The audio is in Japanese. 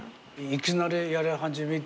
いきなりやり始めて。